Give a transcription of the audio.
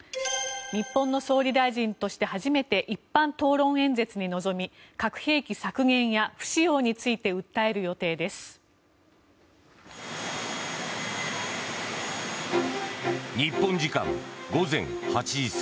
日本の総理大臣として初めて一般討論演説に臨み核兵器削減や不使用について訴える予定です。